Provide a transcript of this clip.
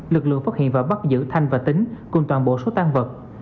lực lượng phát hiện và bắt giữ thanh và tính cùng toàn bộ số tan vật